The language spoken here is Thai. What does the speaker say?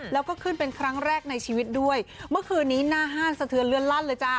แล้วก็ขึ้นเป็นครั้งแรกในชีวิตด้วยเมื่อคืนนี้หน้าห้านสะเทือนเลื่อนลั่นเลยจ้า